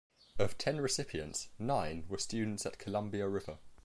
Of ten recipients, nine were students at Columbia River.